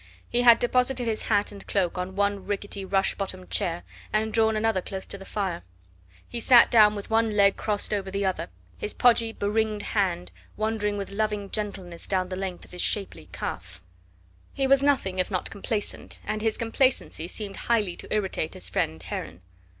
He had deposited his hat and cloak on one rickety rush bottomed chair, and drawn another close to the fire. He sat down with one leg crossed over the other, his podgy be ringed hand wandering with loving gentleness down the length of his shapely calf. He was nothing if not complacent, and his complacency seemed highly to irritate his friend Heron.